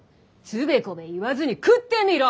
「つべこべ言わずに食ってみろ！」